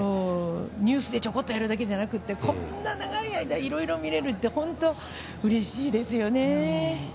ニュースでちょこっとやるだけじゃなくてこんな長い間いろいろ見れるって本当うれしいですよね。